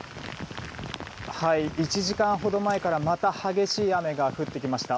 １時間ほど前からまた激しい雨が降ってきました。